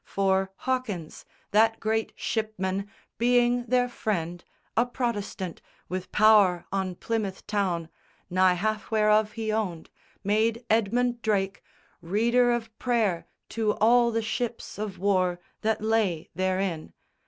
For, Hawkins, that great ship man, being their friend, A Protestant, with power on Plymouth town, Nigh half whereof he owned, made Edmund Drake Reader of prayer to all the ships of war That lay therein.